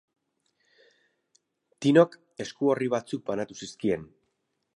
Tinok esku-orri batzuk banatu zizkien.